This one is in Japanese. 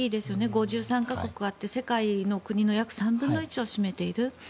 ５３か国あって世界の国の約３分の１を占めている。